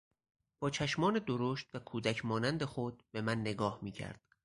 با چشمان درشت و کودک مانند خود به من نگاه میکرد.